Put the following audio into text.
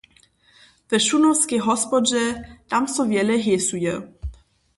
We Šunowskej hospodźe, tam so wjele hejsuje!